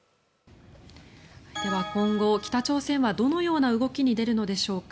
では、今後北朝鮮はどのような動きに出るのでしょうか。